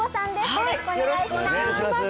よろしくお願いします